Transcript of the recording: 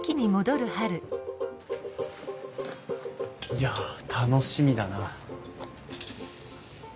いや楽しみだな。